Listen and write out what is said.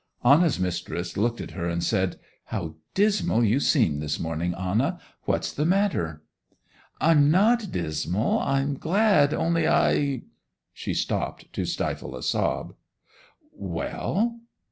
Anna's mistress looked at her, and said: 'How dismal you seem this morning, Anna. What's the matter?' 'I'm not dismal, I'm glad; only I—' She stopped to stifle a sob. 'Well?